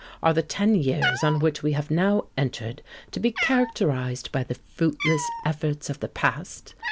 "Are the ten years on which we have now entered to be characterized by the fruitless efforts of the past?